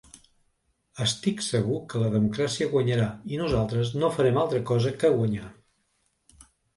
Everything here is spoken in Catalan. Estic segur que la democràcia guanyarà i nosaltres no farem altra cosa que guanyar.